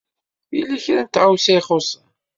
Yella kra n tɣawsa i ixuṣṣen.